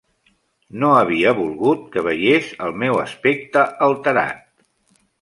No havia volgut que veiés els meu aspecte alterat.